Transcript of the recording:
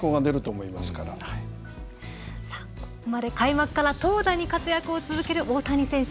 ここまで開幕から投打に活躍を続ける大谷選手。